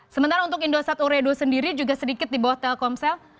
sementara untuk indosat uredo sendiri juga sedikit di bawah telkomsel